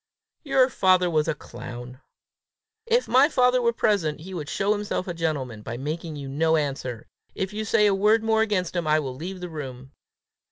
"Your father was a clown!" "If my father were present, he would show himself a gentleman by making you no answer. If you say a word more against him, I will leave the room."